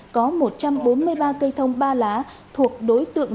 có một trăm bốn mươi ba cây thông ba lá thuộc đối tượng